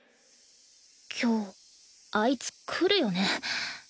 今日あいつ来るよね？